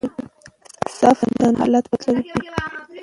صفت د نوم حالت بدلوي.